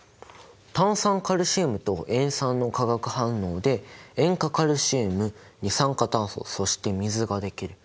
炭酸カルシムと塩酸の化学反応で塩化カルシウム二酸化炭素そして水ができる。